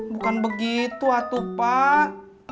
bukan begitu atuh pak